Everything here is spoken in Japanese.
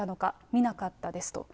見なかったですと。